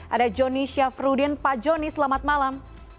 ada jonisha fruedin pak joni selamat malam